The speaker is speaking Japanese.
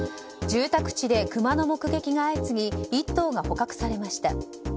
住宅地でクマの目撃が相次ぎ１頭が捕獲されました。